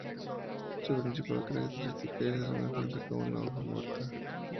Su principal característica es su semejanza con una hoja muerta.